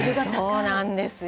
そうなんですよ。